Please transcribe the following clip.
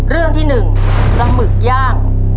เรื่องที่๑ปลาหมึกย่าง